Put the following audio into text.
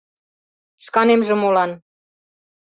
— Шканемже молан?